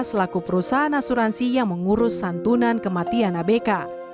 selaku perusahaan asuransi yang mengurus santunan kematian abk